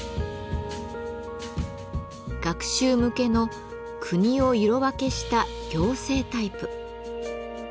学習向けの国を色分けした行政タイプ。